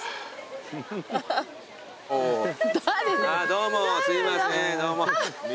どうもすいませんどうも。